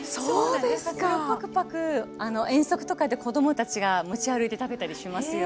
パクパク遠足とかで子供たちが持ち歩いて食べたりしますよ。